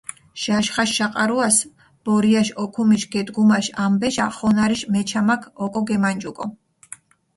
ჟაშხაშ შაყარუას ბორიაშ ოქუმიშ გედგუმაშ ამბეშა ხონარიშ მეჩამაქ ოკო გემანჯუკო.